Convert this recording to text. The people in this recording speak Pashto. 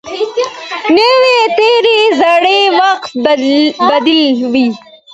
نوی تېر د زاړه وخت بدیل وي